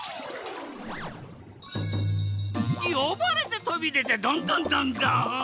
よばれてとびでてドンドンドンドン！